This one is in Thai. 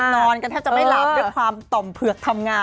นอนกันแทบจะไม่หลับด้วยความต่อมเผือกทำงาน